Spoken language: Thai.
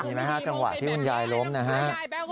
มีไหมฮะจังหวะที่คุณยายล้มนะฮะ